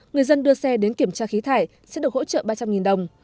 người dân đưa xe đến kiểm tra khí thải sẽ được hỗ trợ ba trăm linh đồng